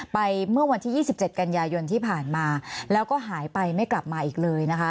เมื่อวันที่๒๗กันยายนที่ผ่านมาแล้วก็หายไปไม่กลับมาอีกเลยนะคะ